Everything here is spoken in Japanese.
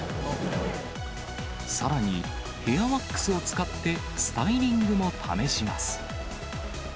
さらに、ヘアワックスを使ってスタイリングも試します。